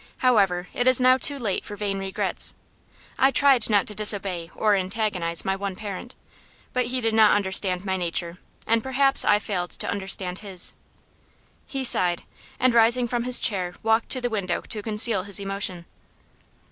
However, it is now too late for vain regrets. I tried not to disobey or antagonize my one parent, but he did not understand my nature, and perhaps I failed to understand his." He sighed, and rising from his chair walked to the window to conceal his emotion.